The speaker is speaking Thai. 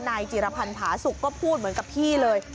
นายจิรพันธ์ผาสุกก็พูดเหมือนกับพี่เลย